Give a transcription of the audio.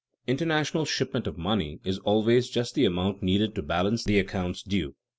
_International shipment of money is always just the amount needed to balance the accounts due.